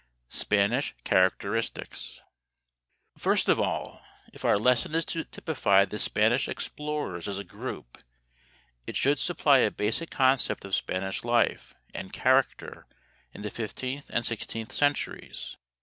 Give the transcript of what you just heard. Spanish Characteristics. First of all, if our lesson is to typify the Spanish explorers as a group, it should supply a basic concept of Spanish life and character in the 15th and 16th centuries.